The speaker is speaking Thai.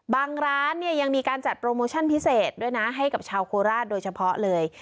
ร้านเนี่ยยังมีการจัดโปรโมชั่นพิเศษด้วยนะให้กับชาวโคราชโดยเฉพาะเลย